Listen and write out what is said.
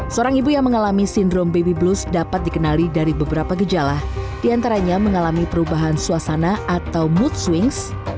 seorang ibu yang mengalami sindrom baby blues dapat dikenali dari beberapa gejala diantaranya mengalami perubahan suasana atau mood swings